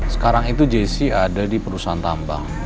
sekarang itu jessi ada di perusahaan tambang